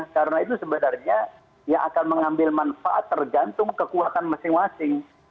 karena itu sebenarnya yang akan mengambil manfaat tergantung kekuatan masing masing